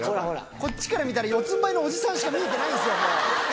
こっちから見たら四つんばいのおじさんしか見えないんですよ。